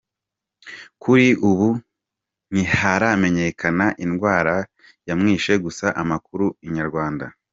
Kuri ubu ntiharamenyekana indwara yamwishe gusa amakuru Inyarwanda.